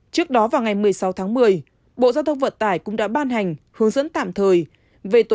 trước đó vào ngày một mươi sáu tháng một mươi bộ giao thông vận tải cũng đã ban hành hướng dẫn tạm thời